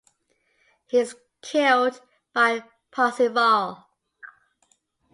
He is killed by Parzival.